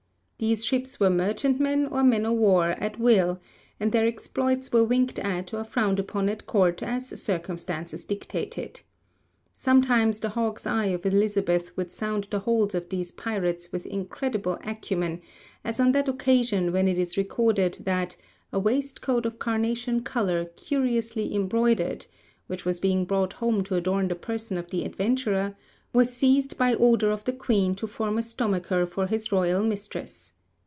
These ships were merchantmen or men of war at will, and their exploits were winked at or frowned upon at Court as circumstances dictated. Sometimes the hawk's eye of Elizabeth would sound the holds of these pirates with incredible acumen, as on that occasion when it is recorded that 'a waistcoat of carnation colour, curiously embroidered,' which was being brought home to adorn the person of the adventurer, was seized by order of the Queen to form a stomacher for his royal mistress.